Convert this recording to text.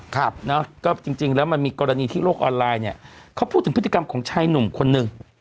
ก็จริงแล้วมันมีกรณีที่โลกออนไลน์เขาพูดถึงพฤติกรรมของชายหนุ่มคนหนึ่ง